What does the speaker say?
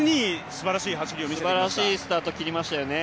すばらしいスタートを切りましたよね。